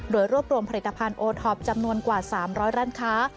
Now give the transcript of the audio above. โดยรวบรวมผลิตภัณฑ์โอท็อปจำนวนกว่า๓๐๐ร้านค้า